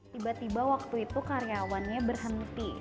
tiba tiba waktu itu karyawannya berhenti